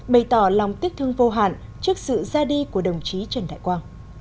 bày tỏ lòng tiếc thương vô hạn trước sự ra đi của đồng chí trần đại quang